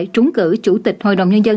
trúng cử chủ tịch hội đồng nhân dân